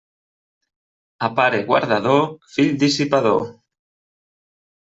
A pare guardador, fill dissipador.